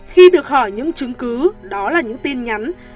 khi được hỏi những chứng cứ đó là những tin nhắn